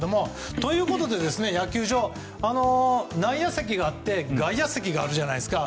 ということで野球場内野席があって外野席があるじゃないですか。